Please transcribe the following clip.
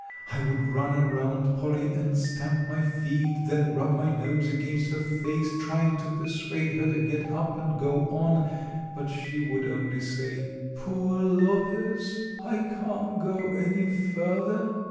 I would run around Polly and stamp my feet, then rub my nose against her face, trying to persuade her to get up and go on, but she would only say, "Poor Lopez, I can't go any further."